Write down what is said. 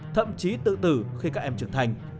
thậm chí tự tử khi các em trưởng thành